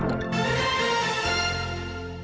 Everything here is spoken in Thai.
โปรดติดตามตอนต่อไป